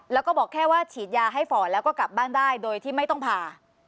แล้วก็บอกแค่ว่าฉีดยาให้ฝ่อแล้วก็กลับบ้านได้โดยที่ไม่ต้องผ่า